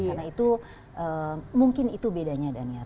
karena itu mungkin itu bedanya dania